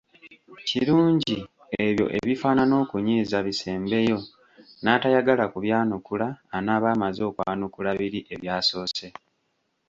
Kirungi ebyo ebifaanana okunyiiza bisembeyo, n’atayagala kubyanukula anaaba amaze okwanukula biri ebyasoose.